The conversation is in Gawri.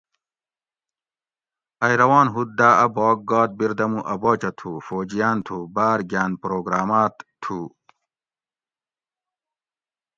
ائ روان ہوت داۤ اۤ باگ گات بیردمو اۤ باچہ تھو فوجیان تھو باۤر گاۤن پروگرامات تھو